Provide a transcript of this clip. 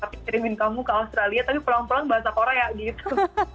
tapi kirimin kamu ke australia tapi pulang pulang bahasa korea gitu